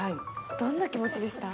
どんな気持ちでした？